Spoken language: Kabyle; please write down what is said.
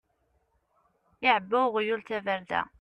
Iɛebba uɣyul tabarda.